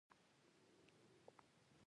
هغه وپوښتل ته پر خدای عقیده لرې که نه.